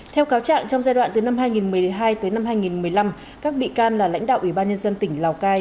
theo cáo trạng trong giai đoạn từ năm hai nghìn một mươi hai tới năm hai nghìn một mươi năm các bị can là lãnh đạo ủy ban nhân dân tỉnh lào cai